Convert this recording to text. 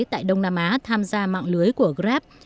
tại đông nam á tham gia mạng lưới của grab